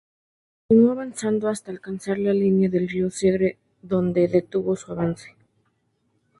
Continuó avanzando hasta alcanzar la línea del río Segre, donde detuvo su avance.